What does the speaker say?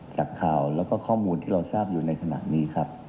จากข่าวแล้วก็ข้อมูลที่เราทราบอยู่ในขณะนี้ครับ